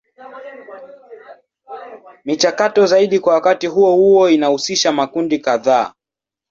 Michakato zaidi kwa wakati huo huo inahusisha makundi kadhaa.